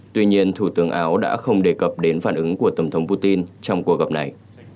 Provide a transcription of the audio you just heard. tuy nhiên thủ tướng áo đã không đề cập đến phản ứng của tổng thống putin trong cuộc gặp này